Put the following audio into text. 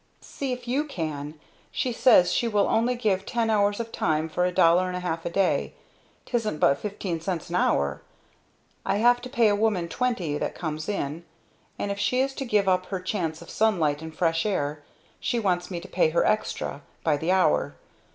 "See if you can. She says she will only give ten hours of time for a dollar and a half a day tisn't but fifteen cents an hour I have to pay a woman twenty that comes in. And if she is to give up her chance of sunlight and fresh air she wants me to pay her extra by the hour.